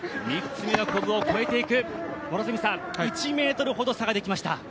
３つ目のこぶを越えていく１ｍほど差ができました。